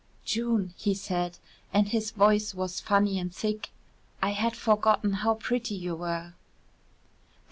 "June," he said, and his voice was funny and thick, "I had forgotten how pretty you were."